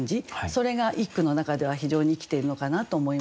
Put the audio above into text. それが一句の中では非常に生きているのかなと思います。